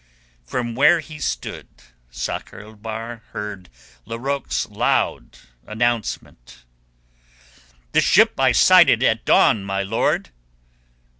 From where he stood Sakr el Bahr heard Larocque's loud announcement. "The ship I sighted at dawn, my lord!"